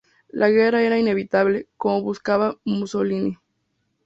La guerra era inevitable, como buscaba Mussolini.